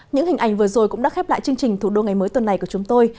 những hình ảnh vừa rồi cũng đã khép lại chương trình thủ đô ngày mới tuần này của chúng tôi